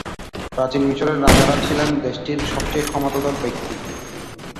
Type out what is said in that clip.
প্রাচীন মিশরের রাজারা ছিলেন দেশটির সবচেয়ে ক্ষমতাধর ব্যক্তি।